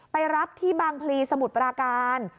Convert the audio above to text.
ไปรับที่บางพลีสมุทรปราการ